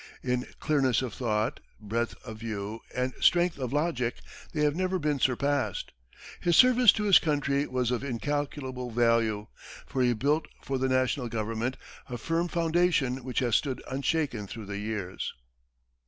In clearness of thought, breadth of view, and strength of logic they have never been surpassed. His service to his country was of incalculable value, for he built for the national government a firm, foundation which has stood unshaken through the years.